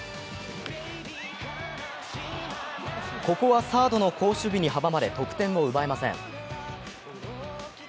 ここはサードの好守備に阻まれ得点を奪えません。